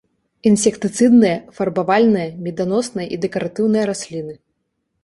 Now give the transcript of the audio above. Інсектыцыдныя, фарбавальныя, меданосныя і дэкаратыўныя расліны.